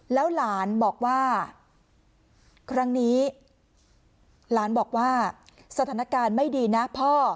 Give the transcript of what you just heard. แล้วหลานบอกว่าครั้งนี้หลานบอกว่าสถานการณ์ไม่ดีนะพ่อ